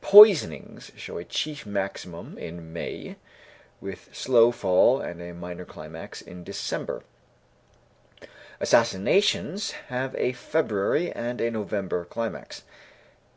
Poisonings show a chief maximum in May, with slow fall and a minor climax in December; assassinations have a February and a November climax.